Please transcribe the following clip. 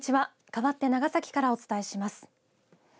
かわって長崎からお伝えします。